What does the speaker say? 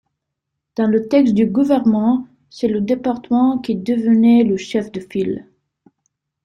Dans le texte du Gouvernement, c’est le département qui devenait le chef de file.